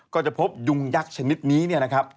ก็จะพบยุงยักษ์ชนิดนี้เนี่ยนะครับ